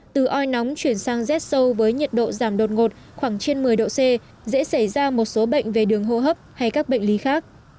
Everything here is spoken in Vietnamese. từ oi nóng chuyển sang rét sâu với nhiệt độ giảm đột ngột khoảng trên một mươi độ c dễ xảy ra một số bệnh về đường hô hấp hay các bệnh lý khác